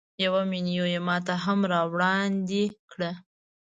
یوه مینو یې ماته هم راوړاندې کړه.